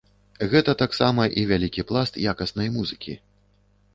Гэта таксама і вялікі пласт якаснай музыкі.